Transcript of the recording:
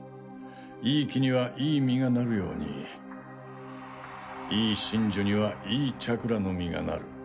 いい木にはいい実がなるようにいい神樹にはいいチャクラの実がなる。